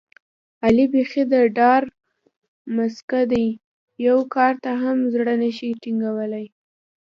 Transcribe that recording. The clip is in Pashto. علي بیخي د ډار پسکه دی، یوه کار ته هم زړه نشي ټینګولی.